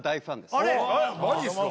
マジすか？